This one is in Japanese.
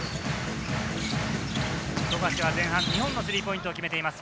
富樫は前半２本のスリーポイントを決めています。